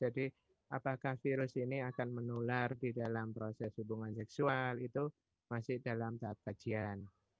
jadi apakah virus ini akan menular di dalam proses hubungan seksual itu masih dalam tahap kajian